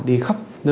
đi khắp nơi